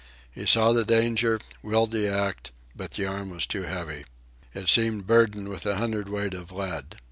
He saw the danger, willed the act; but the arm was too heavy. It seemed burdened with a hundredweight of lead.